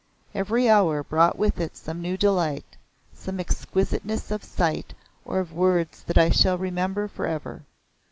Every hour brought with it some new delight, some exquisiteness of sight or of words that I shall remember for ever.